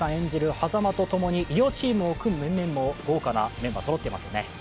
波佐間とともに医療チームを組む面々も豪華なメンバーがそろっていますね。